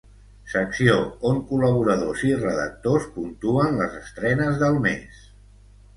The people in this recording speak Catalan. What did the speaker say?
Secció on col·laboradors i redactors puntuen les estrenes del mes.